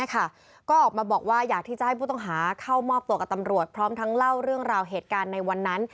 ก็ออกมาบอกว่าอยากที่จะให้ผู้ต้องหาเข้ามอบตัวกับตำรวจพร้อมทั้งเล่าเรื่องราวเหตุการณ์ในวันนั้น